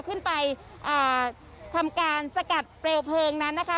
ขึ้นไปอ่าทำการสกัดเปลวเพลิงนั้นนะคะ